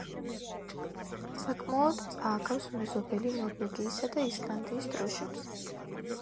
საკმაოდ წააგავს მეზობელი ნორვეგიისა და ისლანდიის დროშებს.